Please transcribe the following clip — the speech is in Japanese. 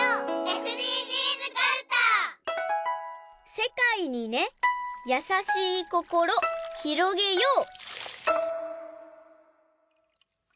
「せかいにねやさしいこころひろげよう」。